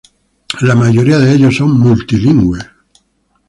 La mayoría de ellos son multilingües.